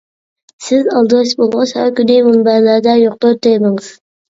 سىز ئالدىراش بولغاچ ھەر كۈنى، مۇنبەرلەردە يوقتۇر تېمىڭىز.